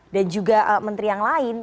juga menteri yang lain